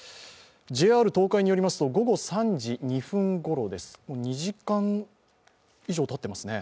ＪＲ東海によりますと午後３時２分ごろ、２時間以上たってますね。